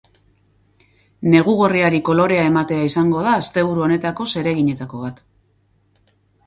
Negu gorriari kolorea ematea izango da asteburu honetako zereginetako bat.